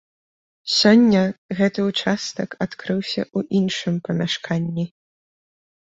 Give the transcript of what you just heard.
Сёння гэты ўчастак адкрыўся ў іншым памяшканні.